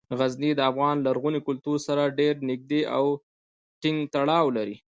غزني د افغان لرغوني کلتور سره ډیر نږدې او ټینګ تړاو لري.